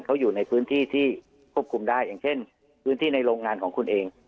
เขาอยู่ในพื้นที่ที่ควบคุมได้อย่างเช่นพื้นที่ในโรงงานของคุณเอง